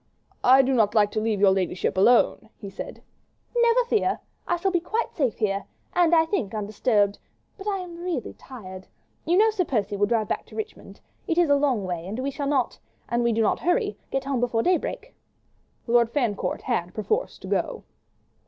"I do not like to leave your ladyship alone," he said. "Never fear. I shall be quite safe here—and, I think, undisturbed ... but I am really tired. You know Sir Percy will drive back to Richmond. It is a long way, and we shall not—an we do not hurry—get home before daybreak." Lord Fancourt had perforce to go.